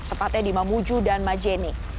tepatnya di mamuju dan majene